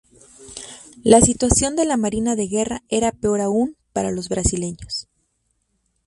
La situación de la marina de guerra era peor aún para los brasileños.